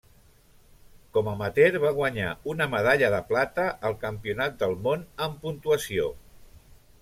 Com amateur va guanyar una medalla de plata al Campionat del món en Puntuació.